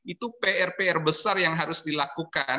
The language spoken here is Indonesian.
itu pr pr besar yang harus dilakukan